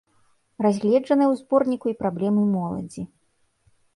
Разгледжаныя ў зборніку й праблемы моладзі.